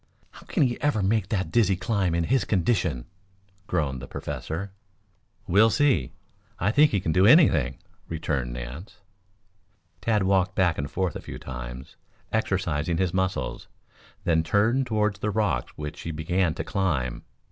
"How can he ever make that dizzy climb in his condition?" groaned the Professor. "We'll see. I think he can do anything," returned Nance. Tad walked back and forth a few times, exercising his muscles, then turned toward the rocks which he began to climb.